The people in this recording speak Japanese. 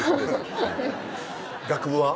学部は？